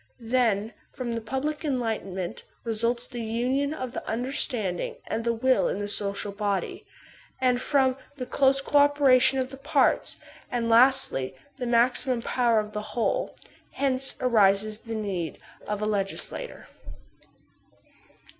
Then from the pub* lie enlightenment results the union of the imderstanding and the will in the social body; and from that the close co operation of the parts, and, lastly, the maximum power of the whole. Hence arises the need of a legislator.